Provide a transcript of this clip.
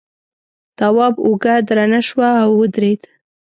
تواب اوږه درنه شوه او ودرېد.